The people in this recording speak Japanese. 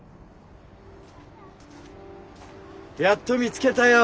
やっと見つけたよ